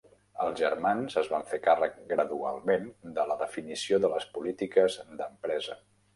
Els germans es van fer càrrec gradualment de la definició de les polítiques d'empresa.